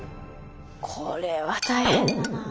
これは大変だなあ。